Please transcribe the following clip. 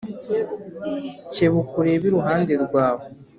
kebuka urebe iruhande rwawe